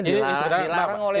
dilarang oleh hukum